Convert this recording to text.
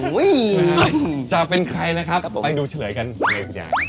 หูยจ๊ะเธอเป็นใครนะครับไปดูเฉลยกันไงคุณยาง